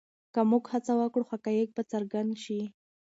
که موږ هڅه وکړو حقایق به څرګند شي.